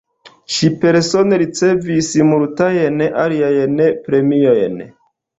Ŝi persone ricevis multajn aliajn premiojn.